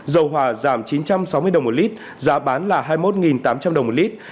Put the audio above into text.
dầu hỏa giảm chín trăm sáu mươi đồng một lít giá bán là hai mươi một tám trăm linh đồng một lít